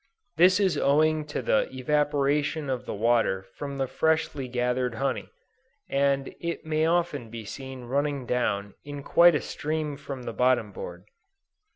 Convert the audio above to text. This is owing to the evaporation of the water from the freshly gathered honey, and it may often be seen running down in quite a stream from the bottom board.